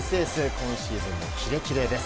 今シーズンもキレキレです。